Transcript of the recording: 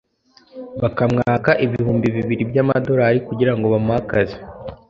bakamwaka ibihumbi bibiri by’amadolari kugira ngo bamuhe akazi